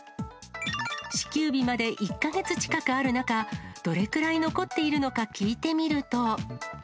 支給日まで１か月近くある中、どれくらい残っているのか聞いてみると。